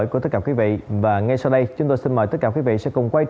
chúng ta có một bước chậm